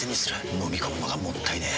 のみ込むのがもったいねえ。